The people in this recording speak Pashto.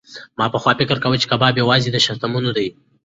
ما پخوا فکر کاوه چې کباب یوازې د شتمنو دی.